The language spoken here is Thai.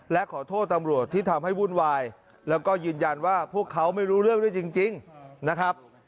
และขอโทษตำรวจที่ทำให้วุ่นวายแล้วก็ยืนยันว่าพวกเขาไม่รู้เรื่องด้วยจริงนะครับ